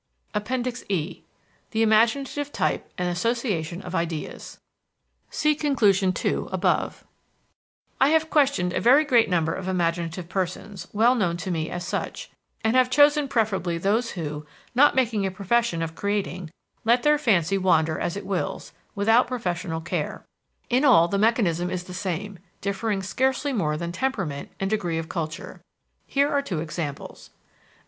APPENDIX E THE IMAGINATIVE TYPE AND ASSOCIATION OF IDEAS I have questioned a very great number of imaginative persons, well known to me as such, and have chosen preferably those who, not making a profession of creating, let their fancy wander as it wills, without professional care. In all the mechanism is the same, differing scarcely more than temperament and degree of culture. Here are two examples.